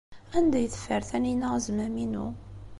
Anda ay teffer Taninna azmam-inu?